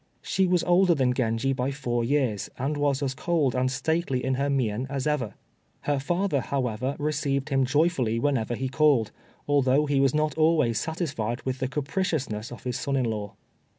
She was older than Genji by four years, and was as cold and stately in her mien as ever. Her father, however, received him joyfully whenever he called, although he was not always satisfied with the capriciousness of his son in law.